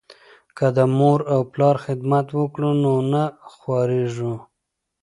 که د مور او پلار خدمت وکړو نو نه خواریږو.